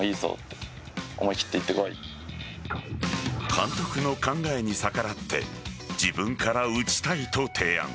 監督の考えに逆らって自分から打ちたいと提案。